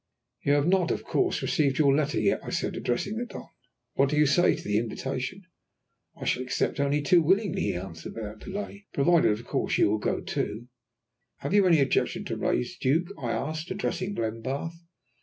"You have not of course received your letter yet," I said, addressing the Don. "What do you say to the invitation?" "I shall accept it only too willingly," he answered without delay. "Provided, of course, you will go too." "Have you any objection to raise, Duke?" I asked, addressing Glenbarth.